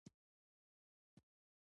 د ماشوم وده د مور په پوهه پورې اړه لري۔